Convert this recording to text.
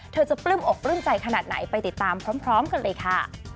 เธอจะปลื้มอกปลื้มใจขนาดไหนไปติดตามพร้อมกันเลยค่ะ